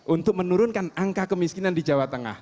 untuk menurunkan angka kemiskinan di jawa tengah